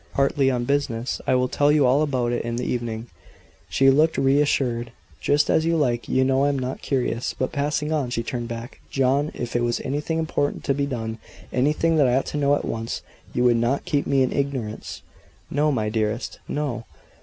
"Partly on business. I will tell you all about it this evening." She looked re assured. "Just as you like; you know I am not curious." But passing on, she turned back. "John, if it was anything important to be done anything that I ought to know at once, you would not keep me in ignorance?" "No my dearest! No!"